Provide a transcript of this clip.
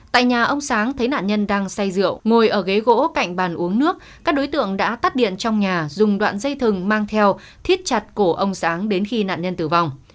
tại nhà ông sáng thấy nạn nhân đang say rượu ngồi ở ghế gỗ cạnh bàn uống nước các đối tượng đã tắt điện trong nhà dùng đoạn dây thừng mang theo thiết chặt cổ ông sáng đến khi nạn nhân tử vong